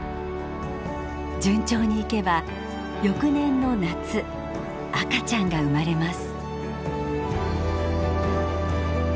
順調にいけば翌年の夏赤ちゃんが生まれます。